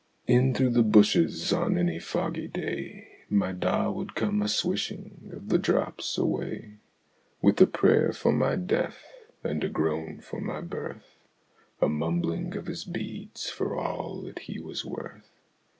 In through the bushes, on any foggy day, My Da would come a swishing of the drops away, With a prayer for my death and a groan for my birth, A mumbling of his beads for all that he was worth.